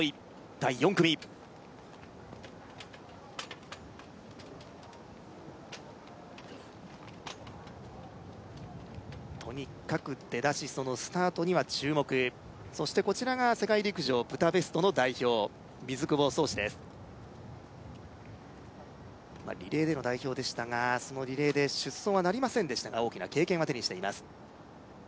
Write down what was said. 第４組とにかく出だしそのスタートには注目そしてこちらが世界陸上ブダペストの代表水久保漱至ですリレーでの代表でしたがそのリレーで出走はなりませんでしたが大きな経験は手にしています